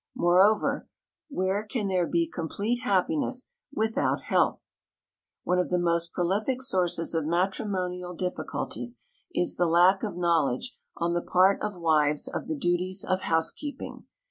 Moreover, where can there be complete happiness without health? One of the most prolific sources of matrimonial difficulties is the lack of knowledge on the part of wives of the duties of housekeeping.